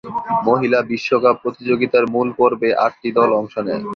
মহিলা বিশ্বকাপ প্রতিযোগিতার মূল পর্বে আটটি দল অংশ নেয়।